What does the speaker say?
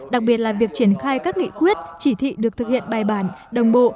đặc biệt là việc triển khai các nghị quyết chỉ thị được thực hiện bài bản đồng bộ